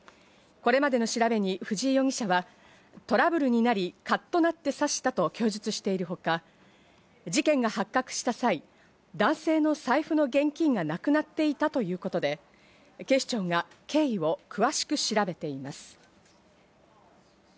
これまでの調べに藤井容疑者はトラブルになり、かっとなって刺したと供述しているほか、事件が発覚した際、男性の財布の現金がなくなっていたということで、警視庁が経緯を詳しく調べています。